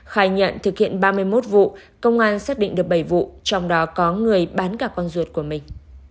khai nhận thực hiện ba mươi một vụ công an xác định được bảy vụ trong đó có người bán cả con ruột của mình